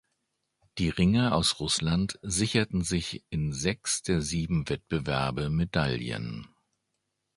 Die Ringer aus Russland sicherten sich in sechs der sieben Wettbewerbe Medaillen.